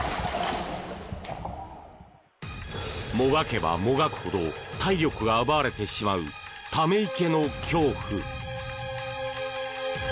もがけばもがくほど体力が奪われてしまうため池の恐怖。